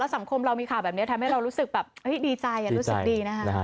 สังคมเรามีข่าวแบบนี้ทำให้เรารู้สึกแบบดีใจรู้สึกดีนะคะ